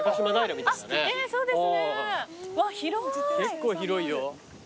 結構広いよ。